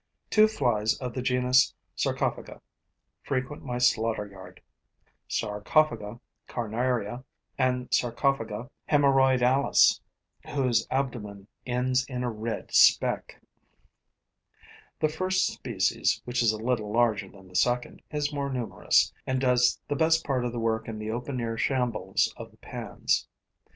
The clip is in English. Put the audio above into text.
Two flies of the genus Sarcophaga frequent my slaughter yard: Sarcophaga carnaria and Sarcophaga haemorrhoidalis, whose abdomen ends in a red speck. The first species, which is a little larger than the second, is more numerous and does the best part of the work in the open air shambles of the pans.